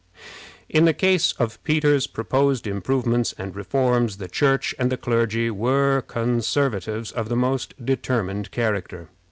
In the case of Peter's proposed improvements and reforms the Church and the clergy were Conservatives of the most determined character.